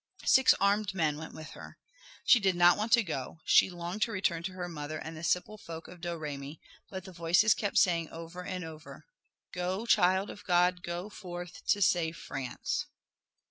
Six armed men went with her. She did not want to go, she longed to return to her mother and the simple folk of Domremy, but the voices kept saying over and over, "Go, Child of God, go forth to save France."